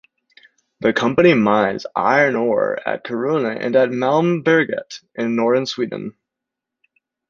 The company mines iron ore at Kiruna and at Malmberget in northern Sweden.